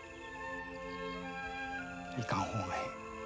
行かん方がええ。